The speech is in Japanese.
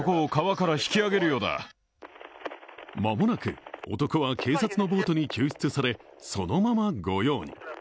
間もなく男は警察のボートに救出され、そのまま御用に。